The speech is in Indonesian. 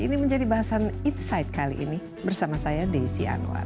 ini menjadi bahasan insight kali ini bersama saya desi anwar